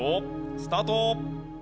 スタート。